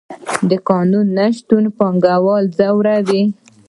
د قانون نشتون پانګوال ځوروي.